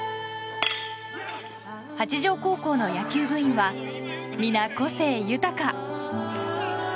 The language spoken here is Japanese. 八丈高校の野球部員は皆、個性豊か。